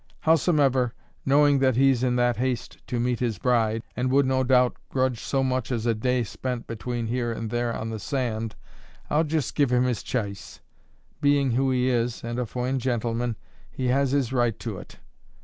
Howsomever, knowing that he's in that haste to meet his bride, and would, no doubt, grudge so much as a day spent between here and there on the sand, I'll jist give him his chice; being who he is, and a foine gintleman, he has his right to it.